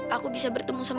aku bisa bertemu dengan kamu